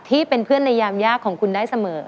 ที่เป็นเพื่อนในยามยากของคุณได้เสมอ